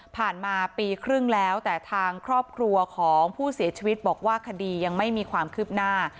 มาปีครึ่งแล้วแต่ทางครอบครัวของผู้เสียชีวิตบอกว่าคดียังไม่มีความคืบหน้า